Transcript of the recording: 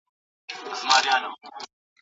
هر پښتون باید ترې خبر سي.